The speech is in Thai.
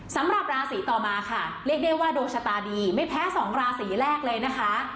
สำหรับราศีต่อมาค่ะเรียกได้ว่าดวงชะตาดีไม่แพ้สองราศีแรกเลยนะคะ